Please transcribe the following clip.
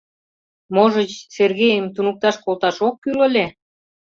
Можыч, Сергейым туныкташ колташ ок кӱл ыле?